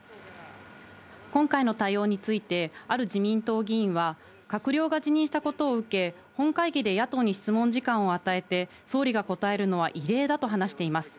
今回の対応について、ある自民党議員は、閣僚が辞任したことを受け、本会議で野党に質問時間を与えて、総理が答えるのは異例だと話しています。